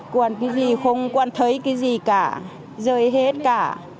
cô ăn cái gì không cô ăn thấy cái gì cả rơi hết cả